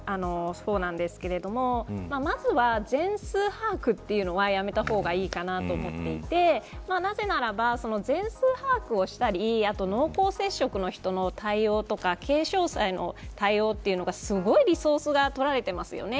方なんですけれどもまずは、全数把握というのはやめた方がいいかなと思っていてなぜなら、全数把握をしたりあと、濃厚接触の人の対応とか軽症者への対応というのがすごいリソースが取られてますよね